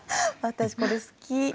私これ好き！